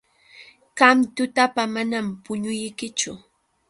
Qam tutapa manam puñuykichu.